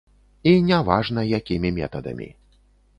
І не важна, якімі метадамі.